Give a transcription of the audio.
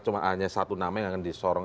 cuma hanya satu nama yang akan disorong